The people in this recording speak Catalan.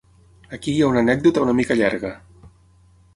Aquí hi ha una anècdota una mica llarga.